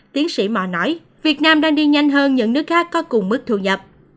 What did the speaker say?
tiến sĩ mạ nói việt nam đang đi nhanh hơn những nước khác có cùng mức thu nhập